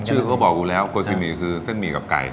ชื่อเขาบอกอยู่แล้วโกซิมีคือเส้นหมี่กับไก่